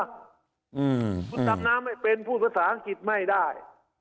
คุณดำน้ำไม่เป็นพูดภาษาอังกฤษไม่ได้